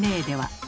では。